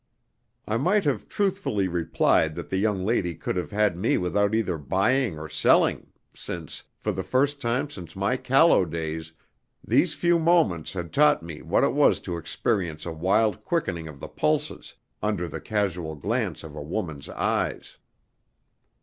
I might have truthfully replied that the young lady could have had me without either buying or selling, since for the first time since my callow days these few moments had taught me what it was to experience a wild quickening of the pulses under the casual glance of a woman's eyes.